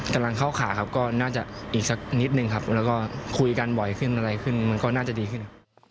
กำลังเข้าขาครับก็น่าจะอีกสักนิดนึงครับแล้วก็คุยกันบ่อยขึ้นอะไรขึ้นมันก็น่าจะดีขึ้น